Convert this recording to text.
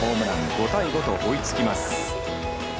５対５と追いつきます。